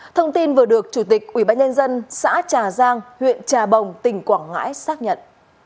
thông tin vừa được chủ tịch ubnd xã trà giang huyện trà bồng tỉnh quảng ngãi xác nhận